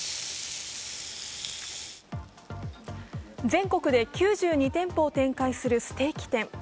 全国で９２店舗を展開するステーキ店。